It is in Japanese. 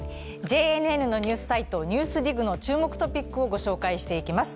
ＪＮＮのニュースサイト、「ＮＥＷＳＤＩＧ」の注目トピックをご紹介していきます。